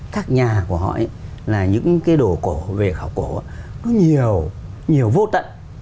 các nhà của họ là những cái đồ cổ về khảo cổ nó nhiều nhiều vô tận